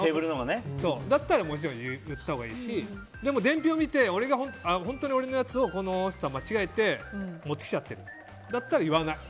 だったらもちろん言ったほうがいいし伝票を見て本当に俺のやつをこの人は間違えて持ってきちゃってるなら言わない。